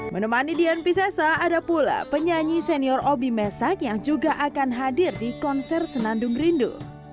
menemani dian pisesa ada pula penyanyi senior obi mesak yang juga akan hadir di konser senandung rindu